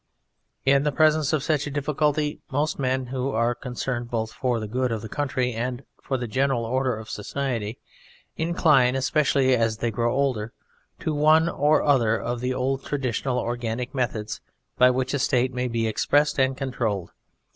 In the presence of such a difficulty most men who are concerned both for the good of their country and for the general order of society incline, especially as they grow older, to one, or other of the old traditional organic methods by which a State may be expressed and controlled.